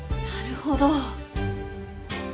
なるほど。